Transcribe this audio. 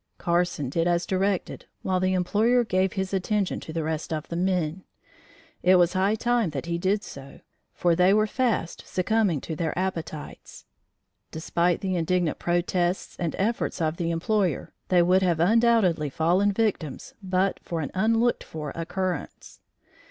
Carson did as directed, while the employer gave his attention to the rest of the men. It was high time that he did so, for they were fast succumbing to their appetites. Despite the indignant protests and efforts of the employer they would have undoubtedly fallen victims but for an unlooked for occurrence.